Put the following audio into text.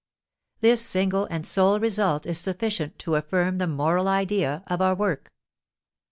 This single and sole result is sufficient to affirm the moral idea of our work.